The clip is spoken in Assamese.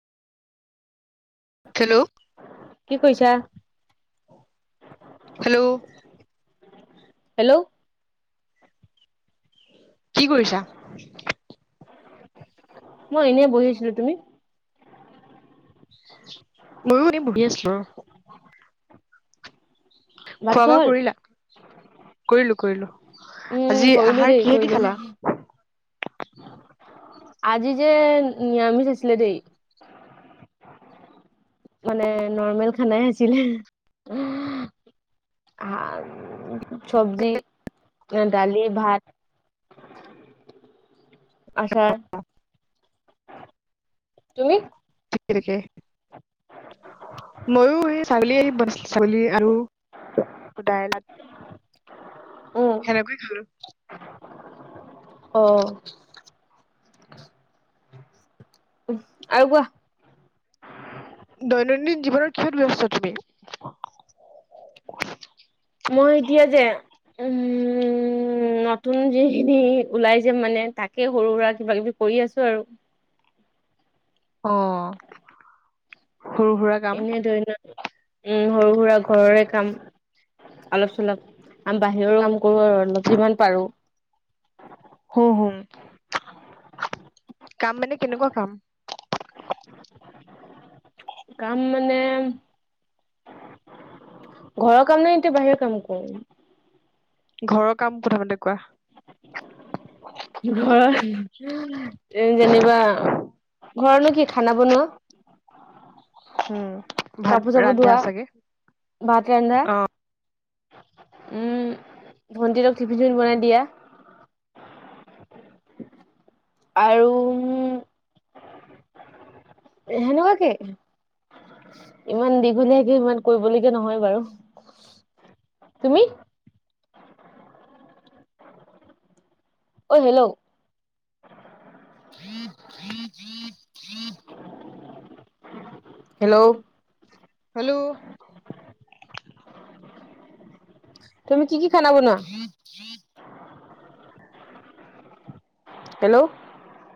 হেল্ল' কি কৰিছা? Hello hello. কি কৰিছা? মই এনেই বহি আছিলো, তুমি? মইও এনে বহি আছোঁ ভাত খোৱা বোৱা হ'ল? কৰিলা। কৰিলো কৰিলোঁ উম কৰিলো দেই কৰিলো আজি যে নিৰামিষ আছিলে দেই মানে নৰ্মেল খানাই আছিলে চবজি, দালি, ভাত। আছাৰ তুমি [unintelligible] মইয়ো এই ছাগলী বনাইছিলে, ছাগলী আৰু দাইল উম সেনেকৈ‌ খালো অ উ আৰু কোৱা দৈনন্দিন জীৱনত কিহত ব্যস্ত তুমি মই এতিয়া যে উম নতুন যিখিনি ওলাই যে মানে তাকে সৰু সুৰা কিবা কিবি কৰি আছো আৰু অ সৰু সুৰা কাম। এনেই ধৰি লোৱা উম সৰু সুৰা ঘৰৰে কাম অলপ চলপ, আম বাহিৰৰ কাম কৰো আৰু অলপ যিমান পাৰো হুম হুম কাম মানে কেনেকুৱা কাম কাম মানে ঘৰৰ কাম নে এতিয়া বাহিৰৰ কাম কওঁ ঘৰৰ কাম প্ৰথমতে কোৱা ঘৰত যেনিবা ঘৰতনো কি খানা বনোৱা উম ভাত কাপোৰ চাপোৰ ৰান্ধা ধোৱা, চাগে? ভাত ৰান্ধা অ উম ভন্টিহতক টিফিন চিফিন বনাই দিয়া, আৰু সেনেকুৱাকে, ইমান দীঘলীয়াকে ইমান কৰিবলগীয়া নহয় বাৰু। তুমি অঐ হেল্ল' হেল্ল' হেল্ল' তুমি কি কি খানা বনোৱা হেল্ল'